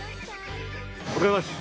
お疲れさまです。